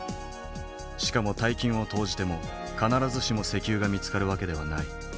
しかも大金を投じても必ずしも石油が見つかる訳ではない。